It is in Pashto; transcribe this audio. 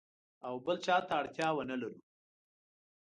او بل چاته اړتیا ونه لرو.